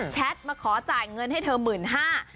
มาขอจ่ายเงินให้เธอ๑๕๐๐บาท